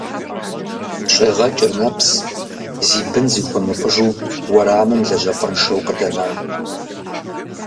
ЩӀегъэкӀыр нэпс зи бын зыхуэмыпӀыжу уэрамым лэжьапӀэншэу къыдэнам…